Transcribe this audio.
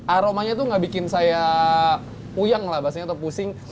aromanya itu tidak membuat saya puyeng atau pusing